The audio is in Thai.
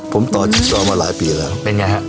ผมต่อจี๊บซ้อนมาหลายปีแล้วเป็นไงครับ